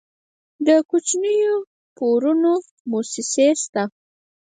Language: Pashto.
د کوچنیو پورونو موسسې شته؟